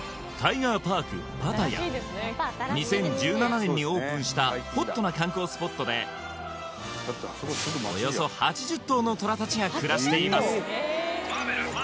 ２０１７年にオープンしたホットな観光スポットでおよそ８０頭のトラたちが暮らしています